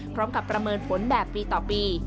พร้อมกับประเมินผลแบบปีต่อปี